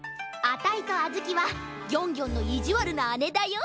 あたいとあずきはギョンギョンのいじわるなあねだよ。